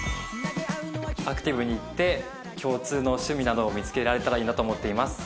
アクティブにいって共通の趣味などを見つけられたらいいなと思っています。